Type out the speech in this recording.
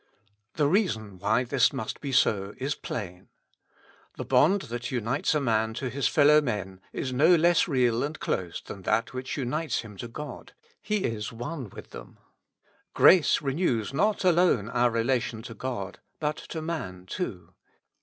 The reason why this must be so is plain. The bond that unites a man to his fellow men is no less real 117 With Christ in the School of Prayer. and close than that which unites him to God : he is one with them. Grace renews not alone our relation to God, but to man too.